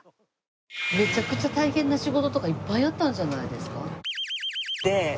めちゃくちゃ大変な仕事とかいっぱいあったんじゃないですか？